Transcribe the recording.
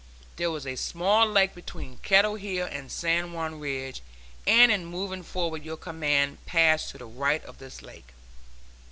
There was a small lake between Kettle Hill and San Juan Ridge, and in moving forward your command passed to the right of this lake.